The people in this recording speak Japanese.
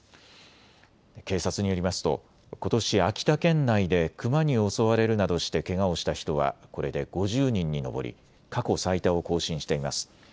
警察によりますとことし秋田県内でクマに襲われるなどしてけがをした人はこれで５０人に上り過去最多を更新しています。